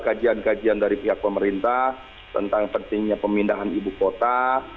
kajian kajian dari pihak pemerintah tentang pentingnya pemindahan ibu kota